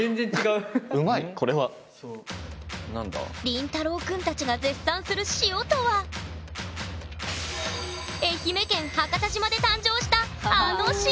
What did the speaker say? りんたろうくんたちが絶賛する「塩」とは愛媛県伯方島で誕生したあの「塩」！